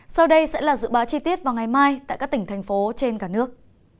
sau đây sẽ là dự báo chi tiết vào ngày mai tại các tỉnh thành phố trên cả nước